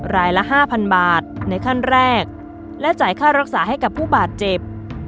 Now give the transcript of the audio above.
รายละ๕๐๐๐บาทในขั้นแรกและจ่ายค่ารักษาให้กับผู้บาดเจ็บ